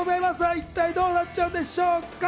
一体どうなっちゃうんでしょうか。